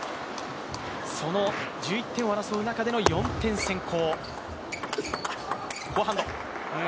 その１１点を争う中での４点先行。